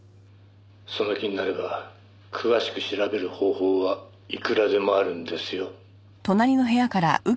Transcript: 「その気になれば詳しく調べる方法はいくらでもあるんですよ」